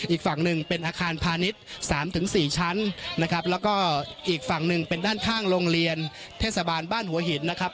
อีกฝั่งหนึ่งเป็นอาคารพาณิชย์สามถึงสี่ชั้นนะครับแล้วก็อีกฝั่งหนึ่งเป็นด้านข้างโรงเรียนเทศบาลบ้านหัวหินนะครับ